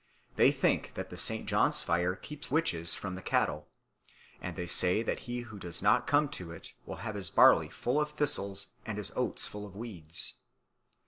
They think that the St. John's fire keeps witches from the cattle, and they say that he who does not come to it will have his barley full of thistles and his oats full of weeds.